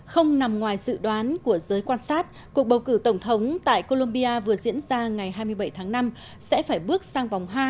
không nằm ngoài dự đoán của giới quan sát cuộc bầu cử tổng thống tại colombia vừa diễn ra ngày hai mươi bảy tháng năm sẽ phải bước sang vòng hai